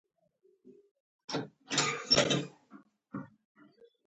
موټر چې موږ ته راسي.